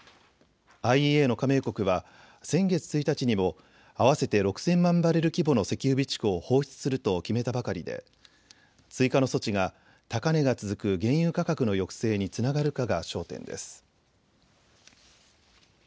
ＩＥＡの加盟国は先月１日にも合わせて６０００万バレル規模の石油備蓄を放出すると決めたばかりで追加の措置が高値が続く原油価格の抑制につながるかが焦点です。